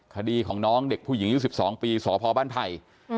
คดีของน้องเด็กผู้หญิงอายุ๑๒ปีสพบ้านไผ่